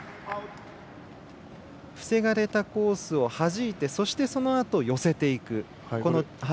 防がれたコースをはじいてそして、そのあと寄せていく。